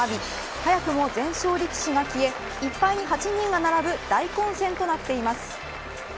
早くも全勝力士が消え１敗に８人が並ぶ大混戦となっています。